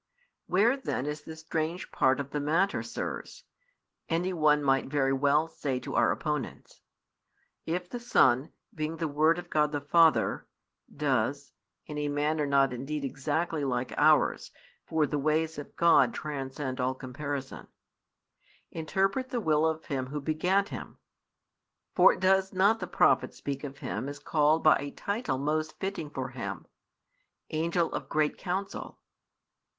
"Where then is the strange part of the matter, sirs," any one might very well say to our opponents, "if the Son, being the Word of God the Father, does (in a manner not indeed exactly like ours, for the ways of God transcend all comparison,) interpret the will of Him Who begat Him?" For does not the prophet speak of Him as called by a title most fitting for Him: "Angel of great counsel?"